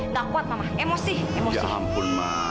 ya ampun ma